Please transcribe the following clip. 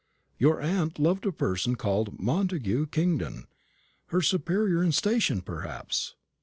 Your aunt loved a person called Montagu Kingdon her superior in station, perhaps?"